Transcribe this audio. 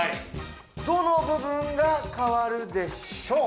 どの部分が変わるでしょう？